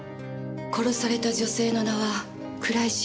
殺された女性の名は倉石雪絵。